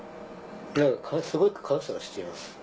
すごく感謝はしています。